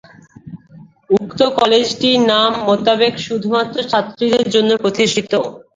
উক্ত কলেজটি নাম মোতাবেক শুধুমাত্র ছাত্রীদের জন্য প্রতিষ্ঠিত।